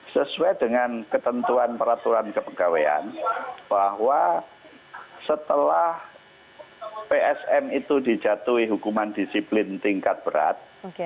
sesuai dengan ketentuan peraturan kepegawaian bahwa setelah psm itu dijatuhi hukuman disiplin tingkat berat